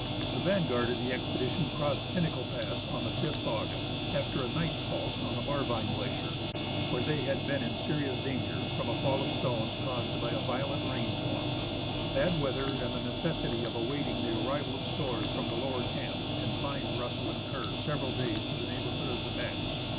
The vanguard of the expedition crossed Pinnacle Pass on the 5th August, after a night's halt on the Marvine Glacier, where they had been in serious danger from a fall of stones caused by a violent rain storm. Bad weather, and the necessity of awaiting the arrival of stores from the lower camps, confined Russell and Kerr several days to the neighbourhood of the pass.